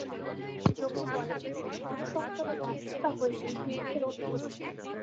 যোগী বলেন, মনঃসংযমে ব্যর্থতা হইতেই দুঃখের উৎপত্তি।